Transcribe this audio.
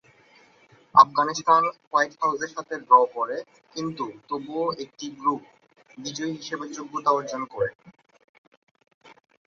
Afghanistan white হাউসের সাথে draw করে কিন্তু তবুও একটি গ্রুপ বিজয়ী হিসেবে যোগ্যতা অর্জন করে।